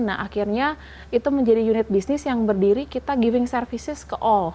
nah akhirnya itu menjadi unit bisnis yang berdiri kita giving services ke all